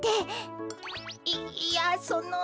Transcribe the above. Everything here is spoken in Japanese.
いいやその。